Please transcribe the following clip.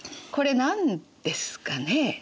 これ何ですかね？